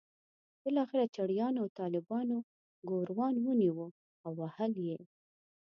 بالاخره چړیانو او طالبانو ګوروان ونیو او وهل یې.